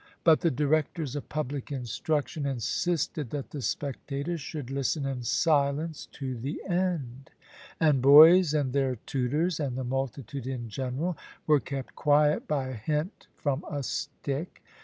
But the directors of public instruction insisted that the spectators should listen in silence to the end; and boys and their tutors, and the multitude in general, were kept quiet by a hint from a stick.